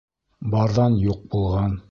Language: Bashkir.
Барҙан юҡ булған